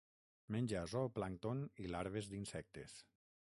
Menja zooplàncton i larves d'insectes.